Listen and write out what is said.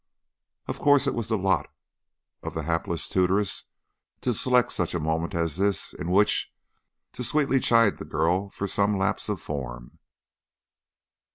Of course it was the lot of the hapless tutoress to select such a moment as this in which to sweetly chide the girl for some lapse of form.